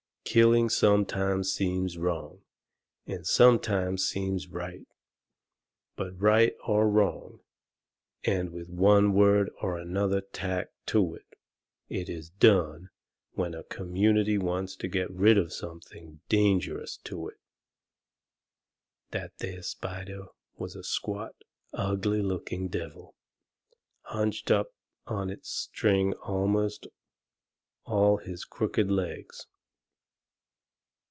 Killing sometimes seems wrong, and sometimes right. But right or wrong, and with one word or another tacked to it, it is DONE when a community wants to get rid of something dangerous to it." That there spider was a squat, ugly looking devil, hunched up on his string amongst all his crooked legs.